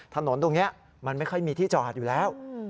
ถนนตรงนี้มันไม่ค่อยมีที่จอดอยู่แล้ว